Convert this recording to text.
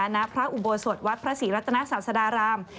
ณพระอุโบสถวัดพระศรีรัตนศาสดาราม